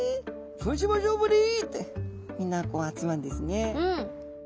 「そうしましょうブリ」ってみんなこう集まるんですね。